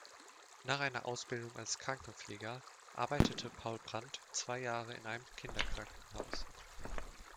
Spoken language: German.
Nach einer Ausbildung als Krankenpfleger arbeitete Paul Brandt zwei Jahre in einem Kinderkrankenhaus.